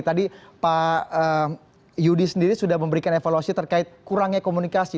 tadi pak yudi sendiri sudah memberikan evaluasi terkait kurangnya komunikasi